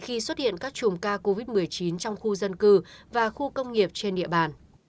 khi xuất hiện các chùm ca covid một mươi chín trong khu dân cư và khu công nghiệp trên địa bàn